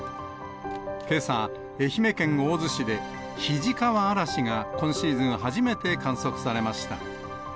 けさ、愛媛県大洲市で肱川あらしが、今シーズン初めて観測されました。